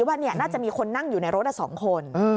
ว่าน่าจะมีคนนั่งอยู่ในรถ๒คน